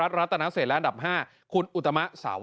อันนี้จะต้องจับเบอร์เพื่อที่จะแข่งกันแล้วคุณละครับ